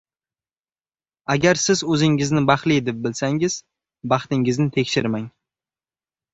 Agar siz o‘zingizni baxtli deb bilsangiz, baxtingizni tekshirmang: